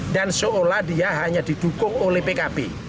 dan seolah dia hanya didukung oleh pkb